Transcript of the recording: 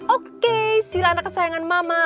oke sila anak kesayangan mama